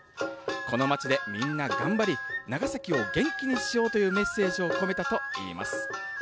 この町でみんな頑張り、長崎を元気にしようというメッセージを込めたといいます。